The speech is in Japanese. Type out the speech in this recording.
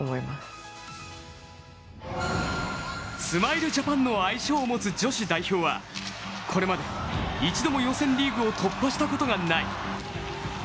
スマイルジャパンの愛称を持つ女子代表はこれまで一度も予選リーグを突破したことがない。